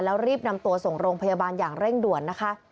แล้วรีบนำตัวส่งโรงพยาบาลอย่างเร่งด่วนนะคะ